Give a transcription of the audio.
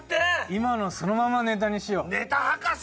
今のそのままネタにしようネタ博士！